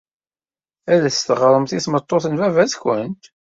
Ad as-teɣremt i tmeṭṭut n baba-twent.